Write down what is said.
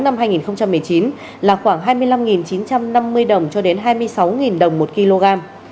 năm hai nghìn một mươi chín là khoảng hai mươi năm chín trăm năm mươi đồng cho đến hai mươi sáu đồng một kg